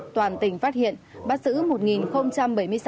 toàn tỉnh phát hiện bắt giữ